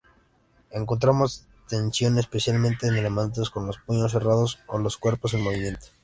Encontramos tensión especialmente en elementos como los puños cerrados o los cuerpos en movimiento.